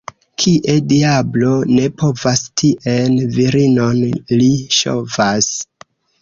Kie diablo ne povas, tien virinon li ŝovas.